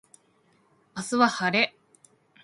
明日は晴れ